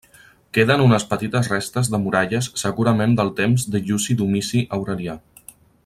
Queden unes petites restes de muralles segurament del temps de Lluci Domici Aurelià.